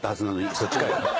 そっちかよ。